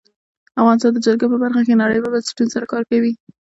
افغانستان د جلګه په برخه کې نړیوالو بنسټونو سره کار کوي.